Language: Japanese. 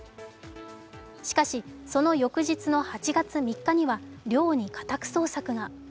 しかし、その翌日の８月３日には寮に家宅捜索が。